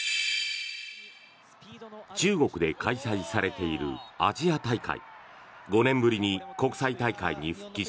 中国で開催されているアジア大会。